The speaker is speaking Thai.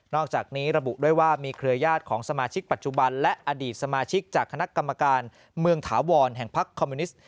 อกจากนี้ระบุด้วยว่ามีเครือญาติของสมาชิกปัจจุบันและอดีตสมาชิกจากคณะกรรมการเมืองถาวรแห่งพักคอมมิวนิสต์